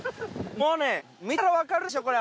もうね見たらわかるでしょこれ。